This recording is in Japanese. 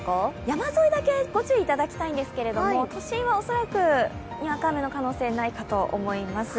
山沿いだけご注意いただきたいんですけれども都心は恐らく、にわか雨の可能性ないかと思います。